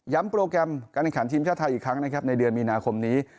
โปรแกรมการแข่งขันทีมชาติไทยอีกครั้งนะครับในเดือนมีนาคมนี้